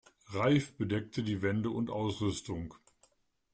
Reif bedeckte die Wände und Ausrüstung.